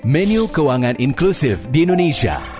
menu keuangan inklusif di indonesia